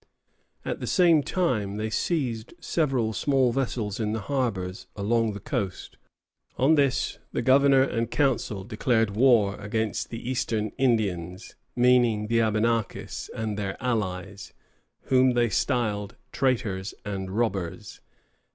At the same time they seized several small vessels in the harbors along the coast. On this the governor and Council declared war against the Eastern Indians, meaning the Abenakis and their allies, whom they styled traitors and robbers.